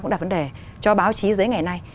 cũng đặt vấn đề cho báo chí giấy ngày nay